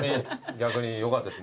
逆によかったです。